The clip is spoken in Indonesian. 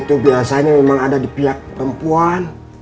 itu biasanya memang ada di pihak perempuan